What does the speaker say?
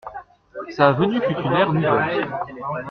Sa venue fut une ère nouvelle.